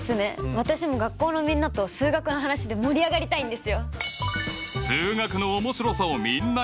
私も学校のみんなと数学の話で盛り上がりたいんですよ！